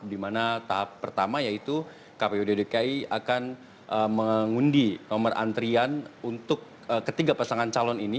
di mana tahap pertama yaitu kpud dki akan mengundi nomor antrian untuk ketiga pasangan calon ini